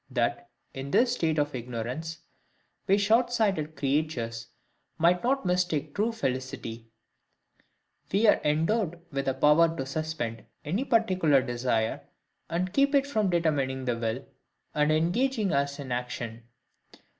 That, in this state of ignorance, we short sighted creatures might not mistake true felicity, we are endowed with a power to suspend any particular desire, and keep it from determining the will, and engaging us in action.